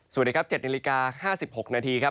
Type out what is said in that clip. สวัสดีครับ๗นาฬิกา๕๖นาทีครับ